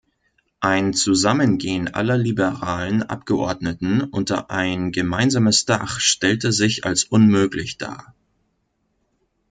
Ein Zusammengehen aller liberalen Abgeordneten unter ein gemeinsames Dach stellte sich als unmöglich dar.